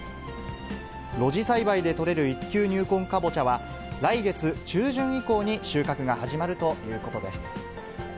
露地栽培で取れる一球入魂かぼちゃは、来月中旬以降に収穫が始まるということです。